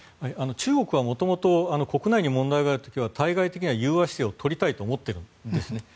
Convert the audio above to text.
中国は元々国内に問題がある時は対外的には融和姿勢を取りたいと思っているんですね。